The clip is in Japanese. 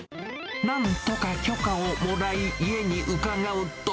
なんとか許可をもらい、家に伺うと。